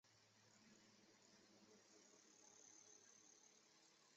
贝贾亚青年体育马迪纳特俱乐部是位于阿尔及利亚贝贾亚的职业足球俱乐部。